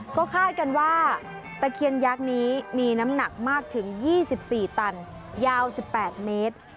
ก็คาดกันว่าตะเคียนยักษ์นี้มีน้ำหนักมากถึง๒๔ตันยาว๑๘เมตร